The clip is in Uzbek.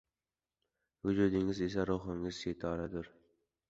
Vujudingiz esa — ruhingiz setoridur.